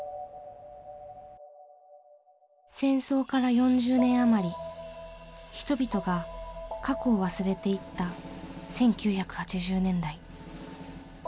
戦争から４０年余り人々が過去を忘れていった１９８０年代。